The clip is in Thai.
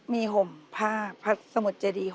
มีผมภาพพระสมุดเจดี